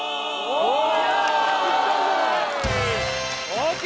ＯＫ